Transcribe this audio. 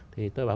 thì tôi bảo